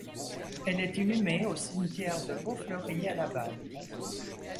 Elle est inhumée au Cimetière de Vaufleury à Laval.